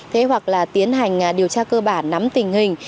thế hoặc là tiến hành điều tra cơ bản nắm tình hình